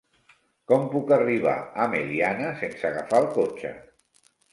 Com puc arribar a Meliana sense agafar el cotxe?